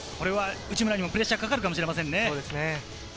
内村にもプレッシャーがかかるかもしれませんね。